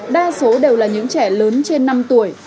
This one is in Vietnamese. đa số đều là những trẻ lớn trên năm tuổi